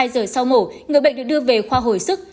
hai giờ sau mổ người bệnh được đưa về khoa hồi sức